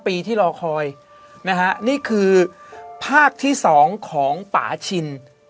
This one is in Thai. ปีที่รอคอยนะฮะนี่คือภาคที่๒ของป่าชิน